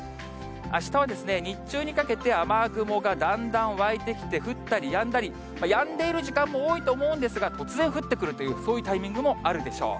あしたは日中にかけて雨雲がだんだん湧いてきて、降ったりやんだり、やんでいる時間も多いと思うんですが、突然降ってくるという、そういうタイミングもあるでしょう。